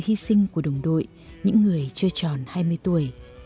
khi sinh của đồng đội những người chưa tròn hai mươi tuổi